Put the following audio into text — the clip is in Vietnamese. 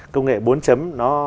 công nghệ bốn chấm